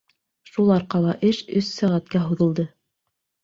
Шул арҡала эш өс сәғәткә һуҙылды.